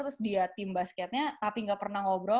terus dia tim basketnya tapi gak pernah ngobrol